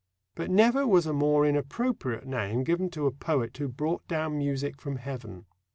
But never was a more inappropriate name given to a poet who brought down music from heaven.